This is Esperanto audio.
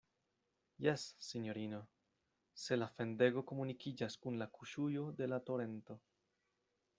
Jes, sinjorino, se la fendego komunikiĝas kun la kuŝujo de la torento.